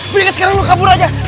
berikan sekarang kamu kabur saja